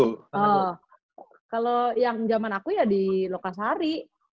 oh kalo yang jaman aku ya di lokasari